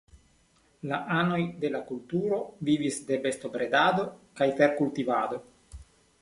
La anoj de la kulturo vivis de bestobredado kaj terkultivado.